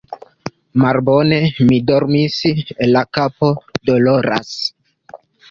Malbone mi dormis, la kapo doloras.